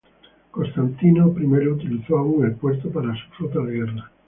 Constantino I utilizó aún el puerto para su flota de guerra.